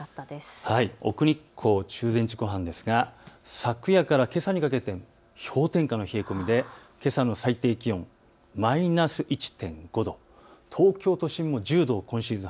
奥日光中禅寺湖畔ですが昨夜からけさにかけて氷点下の冷え込みでけさの最低気温、マイナス１．５度、東京都心も１０度を今シーズン